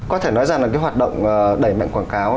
có thể nói rằng là cái hoạt động đẩy mạnh quảng cáo